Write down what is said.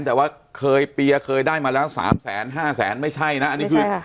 แต่ว่าเคยเปียร์เคยได้มาแล้ว๓แสนห้าแสนไม่ใช่นะอันนี้คือ